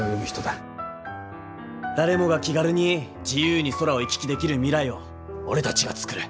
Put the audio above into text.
誰もが気軽に自由に空を行き来できる未来を俺たちが作る。